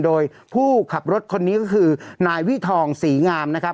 โดยผู้ขับรถคนนี้ก็คือนายวิทองศรีงามนะครับ